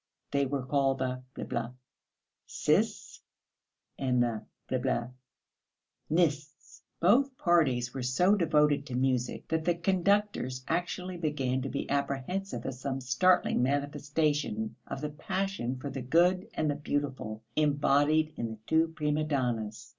They were called the sists and the nists. Both parties were so devoted to music, that the conductors actually began to be apprehensive of some startling manifestation of the passion for the good and the beautiful embodied in the two prima donnas.